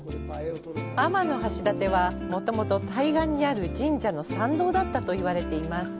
天橋立は、もともと対岸にある神社の参道だったと言われています。